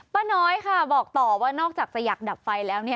ป้าน้อยค่ะบอกต่อว่านอกจากจะอยากดับไฟแล้ว